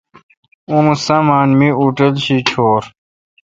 اوں سامان مہ اوٹل شی چھور۔